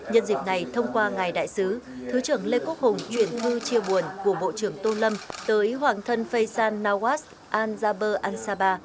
nhân dịp này thông qua ngài đại sứ thứ trưởng lê quốc hùng chuyển thư chia buồn của bộ trưởng tô lâm tới hoàng thân faysan nawas an jaber ansaba